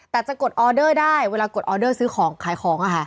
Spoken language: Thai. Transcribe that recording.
แต่จะกดออเดอร์ได้เวลากดออเดอร์ซื้อของขายของ